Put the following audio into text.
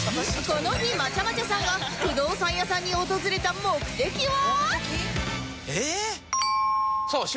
この日まちゃまちゃさんが不動産屋さんに訪れた目的とは？